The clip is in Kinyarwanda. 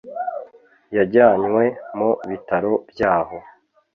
Yajyanywe mu bitaro byaho.